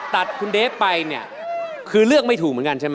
ตัดคุณเดฟไปเนี่ยคือเลือกไม่ถูกเหมือนกันใช่ไหม